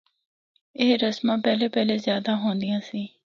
اے رسماں پہلا پہلا زیادہ ہوندیاں سی۔